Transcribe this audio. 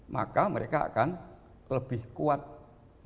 maka mereka akan lebih kuat mereka